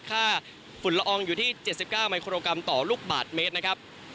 ค่าฝุ่นละอองอยู่ที่๗๙มิโครกรัมต่อลูกบาทเมตร